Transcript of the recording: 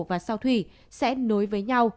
và sao thủy sẽ nối với nhau